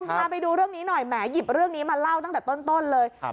พาไปดูเรื่องนี้หน่อยแหมหยิบเรื่องนี้มาเล่าตั้งแต่ต้นเลย